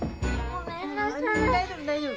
大丈夫大丈夫。